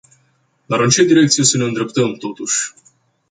Dar în ce direcție să ne îndreptăm totuși?